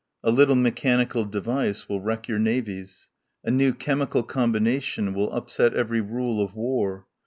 A little mechanical device will wreck your navies. A new chemical combina tion will upset every rule of war.